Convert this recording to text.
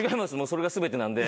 それが全てなんで。